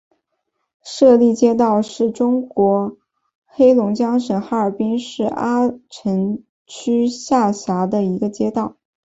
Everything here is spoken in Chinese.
舍利街道是中国黑龙江省哈尔滨市阿城区下辖的一个街道。